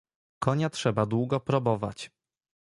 "Konia trzeba długo probować."